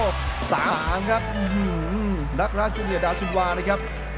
๓ครับหื้อหือนักราชุเฮียดาซิมวานะครับ